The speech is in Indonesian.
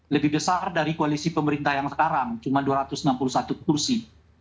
lebih besar dari koalisi pemerintah yang sekarang cuma dua ratus enam puluh satu kursi